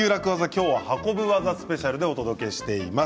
今日は運ぶ技スペシャルでお届けしています。